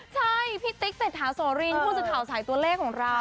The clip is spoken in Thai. ใช่พี่ติ๊กแต่ถาโสรินพูดจะถาวสายตัวเลขของเรา